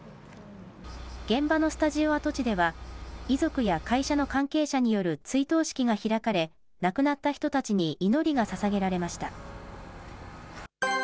現場のスタジオ跡地では、遺族や会社の関係者による追悼式が開かれ、亡くなった人たちに祈りがささげられました。